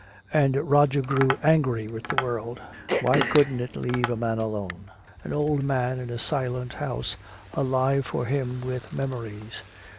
And Roger grew angry with the world. Why couldn't it let a man alone, an old man in a silent house alive for him with memories?